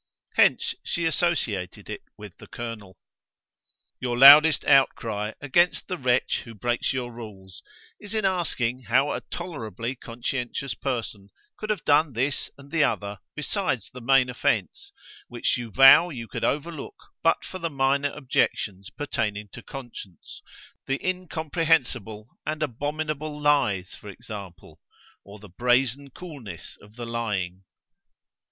Hence she associated it with the colonel. Your loudest outcry against the wretch who breaks your rules is in asking how a tolerably conscientious person could have done this and the other besides the main offence, which you vow you could overlook but for the minor objections pertaining to conscience, the incomprehensible and abominable lies, for example, or the brazen coolness of the lying.